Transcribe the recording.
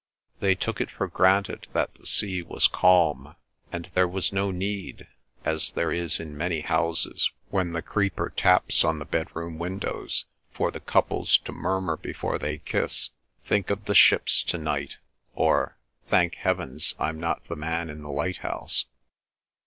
They took it for granted that the sea was calm; and there was no need, as there is in many houses when the creeper taps on the bedroom windows, for the couples to murmur before they kiss, "Think of the ships to night," or "Thank Heaven, I'm not the man in the lighthouse!"